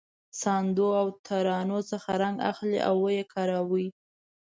ساندو او ترانو څخه رنګ اخلي او یې کاروي.